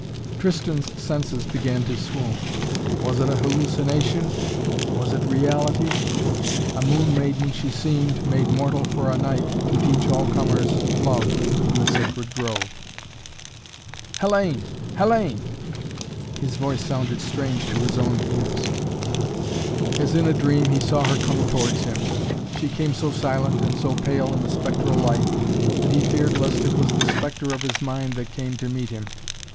Tristan's senses began to swoon. Was it a hallucination was it reality? A moon maiden she seemed, made mortal for a night, to teach all comers love in the sacred grove. "Hellayne! Hellayne!" His voice sounded strange to his own ears. As in a dream he saw her come towards him. She came so silent and so pale in the spectral light that he feared lest it was the spectre of his mind that came to meet him.